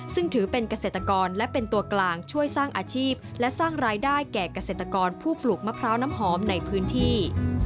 ซึ่งถือเป็นเกษตรกรและเป็นตัวกลางช่วยสร้างอาชีพและสร้างรายได้แก่เกษตรกรผู้ปลูกมะพร้าวน้ำหอมในพื้นที่